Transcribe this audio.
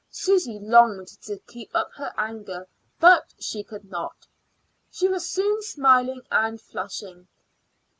Susy longed to keep up her anger, but she could not. She was soon smiling and flushing.